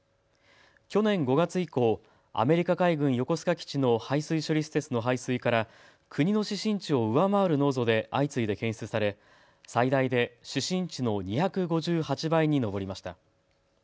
去年５月以降、アメリカ海軍横須賀基地の排水処理施設の排水から国の指針値を上回る濃度で相次いで検出され、最大で指針値の２５８倍に上りました。